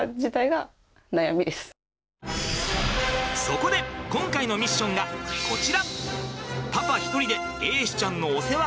そこで今回のミッションがこちら！